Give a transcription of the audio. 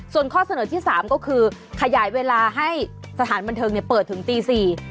ส่วนข้อเสนอที่๓ก็คือขยายเวลาให้สถานบันเทิงเปิดถึงตี๔